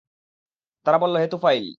তারা বলল, হে তুফাইল!